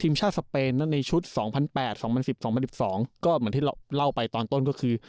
ทีมชาติสเปนนั่นในชุดสองพันแปดสองพันสิบสองพันสิบสองก็เหมือนที่เราเล่าไปตอนต้นก็คือ